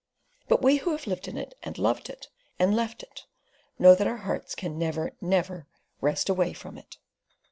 But we who have lived in it, and loved it, and left it, know that our hearts can Never Never rest away from it.